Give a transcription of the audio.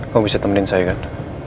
kok bisa temenin saya kan